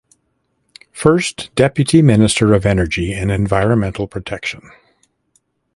First Deputy Minister of Energy and Environmental Protection.